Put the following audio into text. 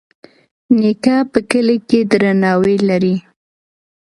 نیکه په کلي کې درناوی لري.